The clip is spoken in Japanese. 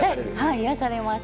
癒やされます。